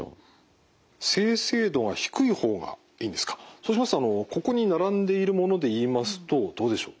そうしますとここに並んでいるものでいいますとどうでしょう？